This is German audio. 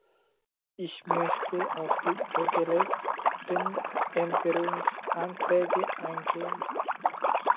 Ich möchte auf die vorgelegten Änderungsanträge eingehen.